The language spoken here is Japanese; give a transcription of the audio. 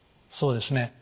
そうですね。